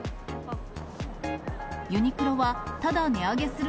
ユニクロは、ただ値上げする